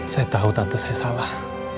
saya tahu tante saya salah